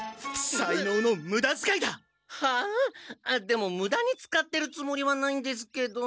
でもムダに使ってるつもりはないんですけど。